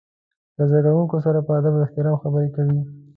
له زده کوونکو سره په ادب او احترام خبرې کوي.